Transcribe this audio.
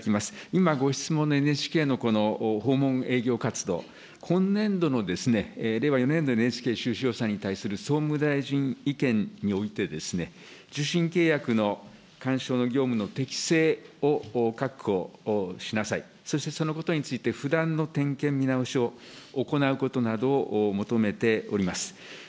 今、ご質問のＮＨＫのこの訪問営業活動、今年度のですね、令和４年度のＮＨＫ収支予算に関する総務大臣意見において、受信契約のかんしょうの業務の適正を確保しなさい、そしてそのことについて、不断の点検見直しを行うことなどを求めております。